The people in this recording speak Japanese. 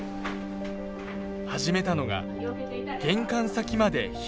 始めたのが玄関先まで避難。